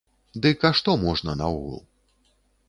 Дык а што можна наогул?